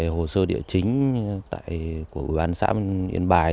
hồ sơ địa chính của ủy ban xã yên bài